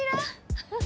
フフフ。